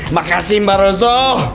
makasih mbak rosso